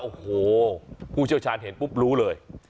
โอ้โหผู้เชี่ยวชาญเห็นปุ๊บรู้เลย